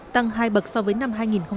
tăng hai bậc so với năm hai nghìn hai mươi hai